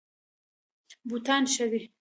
بوټان ښه دي.